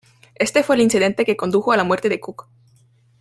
Este fue el incidente que condujo a la muerte de Cook.